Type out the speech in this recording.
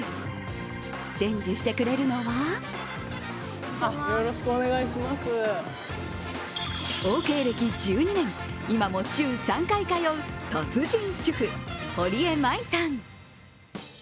伝授してくれるのはオーケー歴１２年、今も週３回通う達人主婦・堀江麻衣さん。